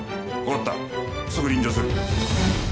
わかったすぐ臨場する。